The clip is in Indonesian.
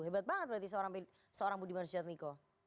hebat banget berarti seorang budiman sujadmiko